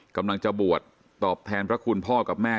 กำลังจะบวชตอบแทนพระคุณพ่อกับแม่